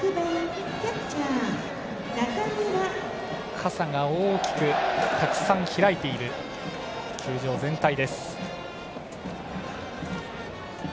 傘が大きく、たくさん開いている球場全体です。